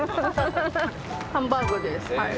ハンバーグですはい。